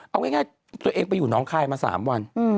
เอาง่ายตัวเองไปอยู่น้องคายมา๓วัน